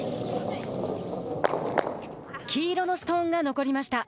黄色のストーンが残りました。